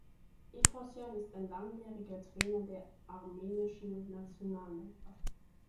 Petrosjan ist langjähriger Trainer der armenischen Nationalmannschaft.